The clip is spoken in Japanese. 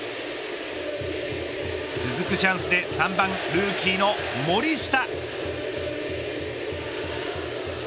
続くチャンスで３番ルーキーの森下。